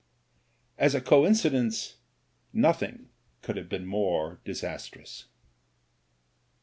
As a coincidence nothing could have been more disastrous.